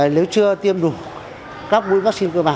nếu chưa tiêm đủ các mũi vaccine cơ bản